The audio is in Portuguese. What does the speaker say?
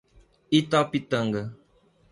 Itapitanga